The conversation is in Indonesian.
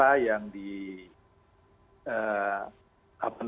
saya mungkin bicara leading indikator